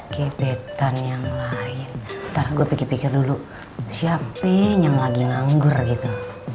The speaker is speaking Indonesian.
kebetan yang lain ntar gue pikir pikir dulu siapa yang lagi nganggur gitu